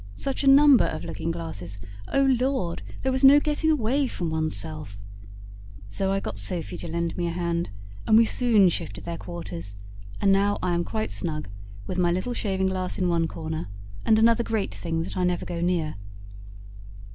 Such a number of looking glasses! oh Lord! there was no getting away from one's self. So I got Sophy to lend me a hand, and we soon shifted their quarters; and now I am quite snug, with my little shaving glass in one corner, and another great thing that I never go near."